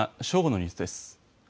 正午のニュースです。